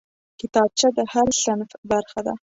کتابچه د هر صنف برخه ده